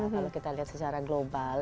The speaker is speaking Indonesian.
kalau kita lihat secara global